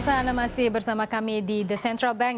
kelahatan anda masih bersama kami dithe central bank